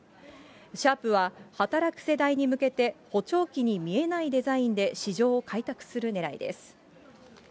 シャープは働く世代に向けて、補聴器に見えないデザインで市場を開拓するねらいです。